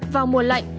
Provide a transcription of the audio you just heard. vào mùa lạnh